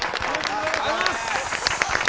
ありがとうございます！